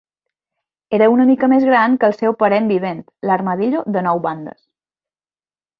Era una mica més gran que el seu parent vivent, l'armadillo de nou bandes.